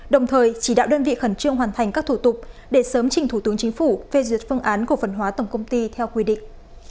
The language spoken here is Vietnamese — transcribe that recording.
đồng thời chỉ đạo đơn vị khẩn trương hoàn thành các thủ tục để sớm trình thủ tướng chính phủ phê duyệt phương án cổ phần hóa tổng công ty theo quy định